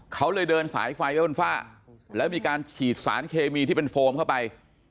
เขาเลยเดินสายไฟไว้บนฝ้าแล้วมีการฉีดสารเคมีที่เป็นโฟมเข้าไป